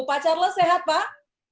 pak charles sehat pak